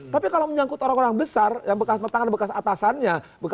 tapi kalau menyangkut orang orang besar yang bekas atasannya